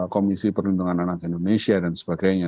komisi perlindungan anak indonesia dan sebagainya